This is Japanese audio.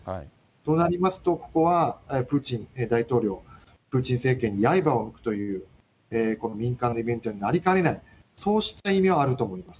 となりますと、ここはプーチン大統領、プーチン政権にやいばをむくというこの民間になりかねない、そうした意味はあると思います。